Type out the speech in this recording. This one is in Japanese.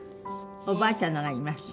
おばあちゃんのがあります。